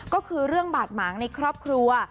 ก็คือเรื่องบาดหมางในครอบครัว